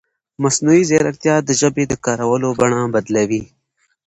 مصنوعي ځیرکتیا د ژبې د کارولو بڼه بدلوي.